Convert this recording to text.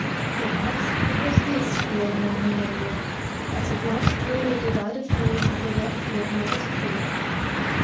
Perhaps it was this the old man remembered as he glanced through the divided folds of the red curtain of his pew.